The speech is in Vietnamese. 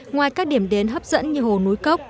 ngoài các điểm đến hấp dẫn như hồ núi cốc